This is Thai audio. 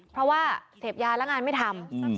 เพราะว่าเสพยาแล้วงานไม่ทำ